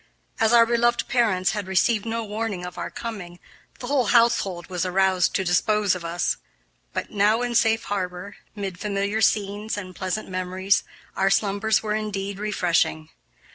As our beloved parents had received no warning of our coming, the whole household was aroused to dispose of us. But now in safe harbor, 'mid familiar scenes and pleasant memories, our slumbers were indeed refreshing.